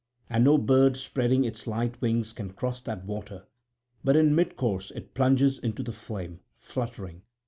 And no bird spreading its light wings can cross that water; but in mid course it plunges into the flame, fluttering.